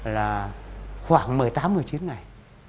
là khoảng một mươi tám một mươi chín ngày